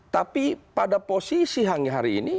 tapi pada posisi hanya hari ini